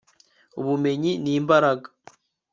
ubumenyi ni imbaraga